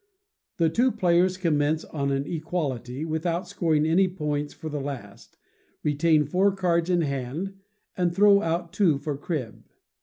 The two players commence on an equality, without scoring any points for the last, retain four cards in hand, and throw out two for crib.